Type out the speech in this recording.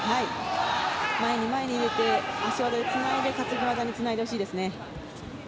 前に前に出て足技でつないで担ぎ技につないでほしいですね。